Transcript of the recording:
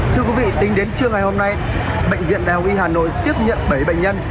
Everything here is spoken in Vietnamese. thưa quý vị tính đến trưa ngày hôm nay bệnh viện đại học y hà nội tiếp nhận bảy bệnh nhân